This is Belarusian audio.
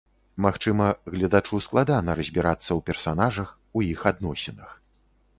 Магчыма, гледачу складана разбірацца ў персанажах, у іх адносінах.